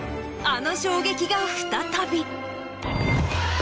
あの衝撃が再び！